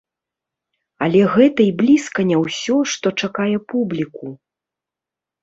Але гэта і блізка не ўсё, што чакае публіку.